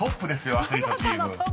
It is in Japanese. アスリートチーム］